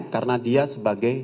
karena dia sebagai